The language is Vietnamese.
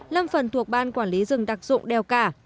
lâm phần thuộc ban quản lý rừng đặc dụng đèo cả